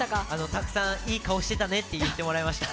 たくさんいい顔してたねって言ってもらえました。